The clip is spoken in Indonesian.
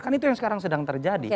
kan itu yang sekarang sedang terjadi